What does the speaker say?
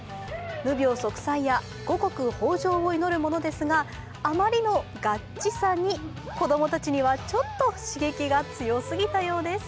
無病息災や五穀豊穣を祈るものですがあまりのガッチさに、子供たちにはちょっと刺激が強すぎたようです。